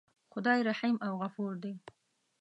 خدای رحیم او غفور دی.